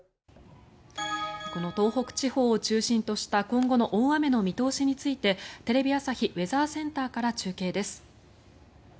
この東北地方を中心とした今後の大雨の見通しについてテレビ朝日ウェザーセンターから中継です。